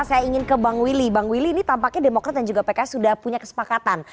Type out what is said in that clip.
saya ingin ke bang willy bang willy ini tampaknya demokrat dan juga pks sudah punya kesepakatan